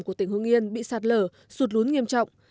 của tỉnh hương yên bị sạt lở sụt lún nghiêm trọng